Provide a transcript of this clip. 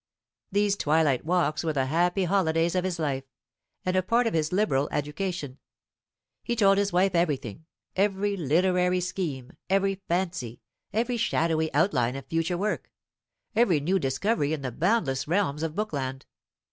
These twilight walks were the happy holidays of his life, and a part of his liberal education. He told his wife everything, every literary scheme, every fancy, every shadowy outline of future work, every new discovery in the boundless realms of Bookland.